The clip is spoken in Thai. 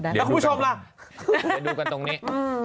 เดี๋ยวดูกันตรงนี้